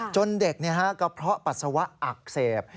จนเด็กก็เพราะภรรย์ปัสสาวะอักเสบ